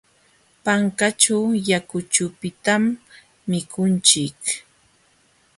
Pankanćhu yakuchupitam mikunchik.